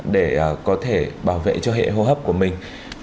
để có thể bảo vệ cho hệ hô hấp của mình